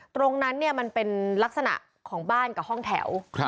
ตรงนั้นเนี่ยมันเป็นลักษณะของบ้านกับห้องแถว